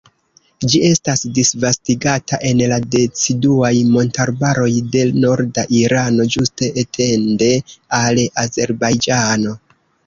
Ĝi estas disvastigata en la deciduaj montarbaroj de norda Irano, ĝuste etende al Azerbajĝano.